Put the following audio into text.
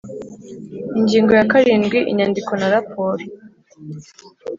Ingingo ya karindwi Inyandiko na raporo